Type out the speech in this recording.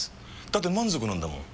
だって満足なんだもん。